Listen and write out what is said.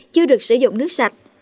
chưa được sử dụng nước sạch